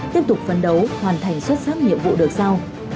tiếp tục phấn đấu hoàn thành xuất sắc nhiệm vụ được sao